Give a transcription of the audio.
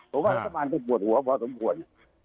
ผมว่ารัฐบาลจะปวดหัวพอสมควร